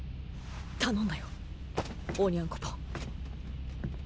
頼んだよオニャンコポン。